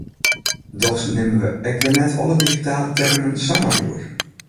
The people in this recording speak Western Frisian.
Dochs nimme we ek wer net alle digitale termen samar oer.